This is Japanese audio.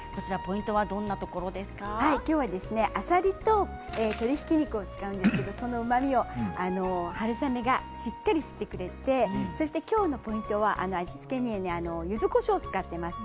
きょうは、あさりと鶏ひき肉を使うんですけどそのうまみを春雨がしっかり吸ってくれてきょうのポイントは味付けにゆずこしょうを使っています。